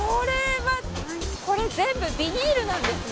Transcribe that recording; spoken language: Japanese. これ全部ビニールなんですね。